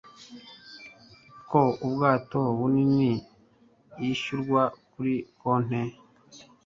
ku bwato bunini yishyurwa kuri konte